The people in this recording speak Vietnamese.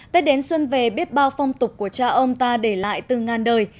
tết đến xuân về biết bao phong tục của cha ông ta để lại từ ngàn đời